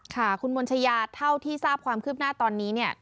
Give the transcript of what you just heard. ค่ะคุณมนชายาเท่าที่ทราบความคืบหน้าตอนนี้เนี่ย